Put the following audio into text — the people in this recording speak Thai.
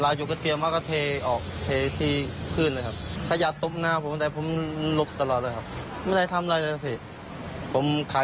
แล้วก็ผมทำตรงแบบไม่ถูกนะ